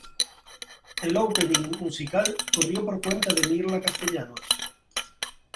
El opening musical corrió por cuenta de Mirla Castellanos.